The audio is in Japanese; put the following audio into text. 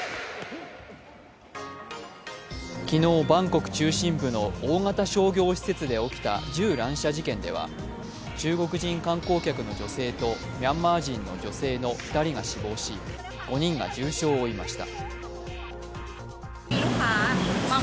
昨日、バンコク中心部の大型商業施設で起きた銃乱射事件では中国人観光客の女性とミャンマー人の女性の２人が死亡し５人が重傷を負いました。